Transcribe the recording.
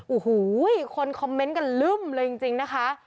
โอ้โหคนคอมเมนต์กันลึ่มเลยจริงนะคะ